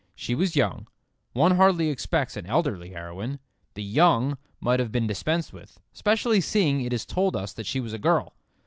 She was young. One hardly expects an elderly heroine. The "young" might have been dispensed with, especially seeing it is told us that she was a girl.